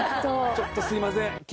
ちょっとすいません。